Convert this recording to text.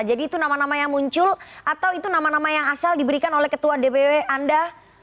jadi itu nama nama yang muncul atau itu nama nama yang asal diberikan oleh ketua dpw anda